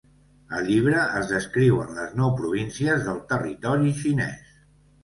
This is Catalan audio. Al llibre es descriuen les nou províncies del territori xinès.